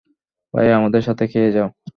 ভাইয়া, আমাদের সাথে খেয়ে যাও।